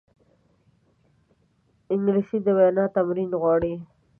انګلیسي د وینا تمرین غواړي